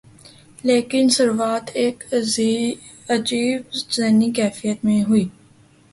لیکن شروعات ایک عجیب ذہنی کیفیت میں ہوئی۔